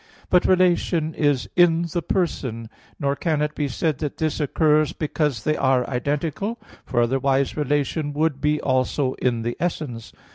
But relation is in the person; nor can it be said that this occurs because they are identical, for otherwise relation would be also in the essence.